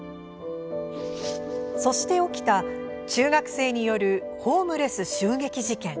そして起きた中学生によるホームレス襲撃事件。